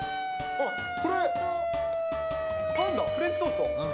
あっ、これ、パンだ、フレンチトースト。